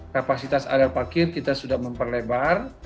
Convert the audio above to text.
kapasitas areal parkir kita sudah memperlebar